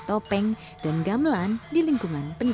airly juga ingin menyampaikan betapa pentingnya ilmu kesenian menari